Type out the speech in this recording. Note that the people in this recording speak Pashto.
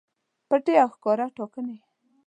پټې او ښکاره ټاکنې